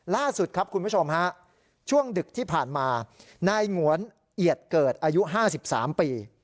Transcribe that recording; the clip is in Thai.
ล่าสุดครับคุณผู้ชมฮะช่วงดึกที่ผ่านมานายหงวนเอียดเกิดอายุ๕๓ปี